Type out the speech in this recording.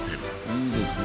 いいですね。